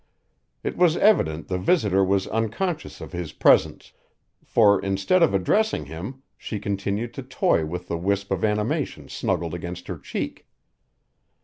It was evident the visitor was unconscious of his presence, for instead of addressing him, she continued to toy with the wisp of animation snuggled against her cheek.